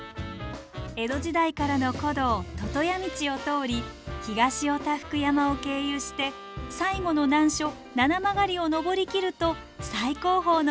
江戸時代からの古道魚屋道を通り東おたふく山を経由して最後の難所七曲りを登りきると最高峰の頂が待っています。